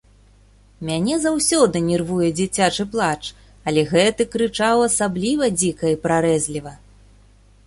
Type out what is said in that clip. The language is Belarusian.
Мяне заўсёды нервуе дзіцячы плач, але гэты крычаў асабліва дзіка і прарэзліва.